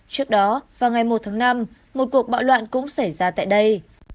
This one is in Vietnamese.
trước đó vào ngày một tháng năm một cuộc bạo loạn cũng xảy ra tại đây